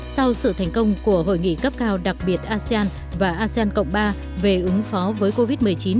sau sự thành công của hội nghị cấp cao đặc biệt asean và asean cộng ba về ứng phó với covid một mươi chín